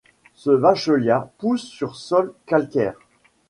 Ce Vachellia pousse sur sols calcaires.